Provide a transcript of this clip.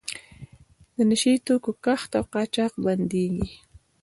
د نشه یي توکو کښت او قاچاق بندیږي.